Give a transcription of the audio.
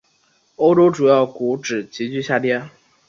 欧洲主要股指急剧下跌。